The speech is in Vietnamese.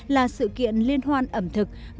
là sự kiện liên hoan ẩm thực